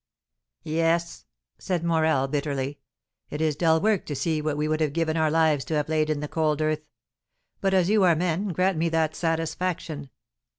"Yes," said Morel, bitterly; "it is dull work to see what we would have given our lives to save laid in the cold earth. But, as you are men, grant me that satisfaction."